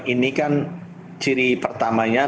ini kan ciri pertamanya